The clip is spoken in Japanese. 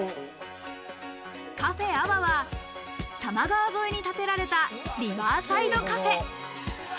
カフェＡＷＡは多摩川沿いに建てられたリバーサイドカフェ。